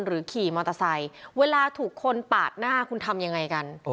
ขี่มอเตอร์ไซค์เวลาถูกคนปาดหน้าคุณทำยังไงกัน